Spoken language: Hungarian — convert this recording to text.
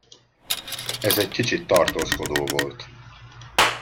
Ez egy kicsit tartózkodó volt.